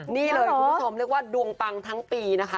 นี่เลยคุณผู้ชมเรียกว่าดวงปังทั้งปีนะคะ